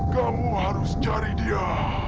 kamu harus cari dia